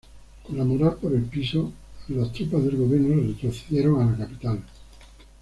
Con la moral por el piso las tropas del gobierno retrocedieron a la capital.